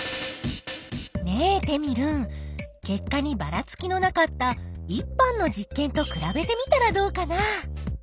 ねえテミルン結果にばらつきのなかった１班の実験とくらべてみたらどうかな？